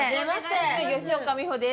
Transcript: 吉岡美穂です。